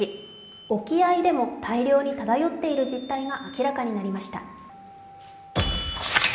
沖合でも大量に漂っている実態が明らかになりました。